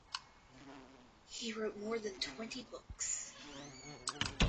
He wrote more than twenty books.